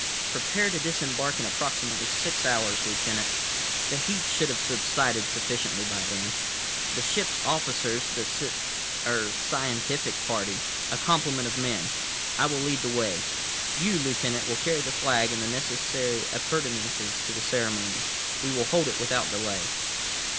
"Prepare to disembark in approximately six hours, Lieutenant. The heat should have subsided sufficiently by then. The ship's officers, the civ—er—scientific party, a complement of men. I will lead the way. You, Lieutenant, will carry the flag and the necessary appurtenances to the ceremony. We will hold it without delay."